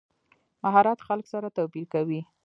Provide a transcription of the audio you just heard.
مهارت خلک سره توپیر کوي.